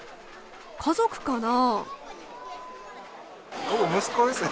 家族かな。